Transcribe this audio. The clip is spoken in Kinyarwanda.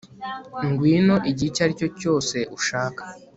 ngwino igihe icyo ari cyo cyose ushaka